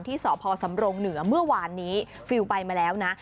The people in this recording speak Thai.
ที่สพสำรงเหนือเมื่อวานนี้ฟิลล์ไปมาแล้วนะ